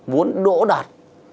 muốn đỗ đạt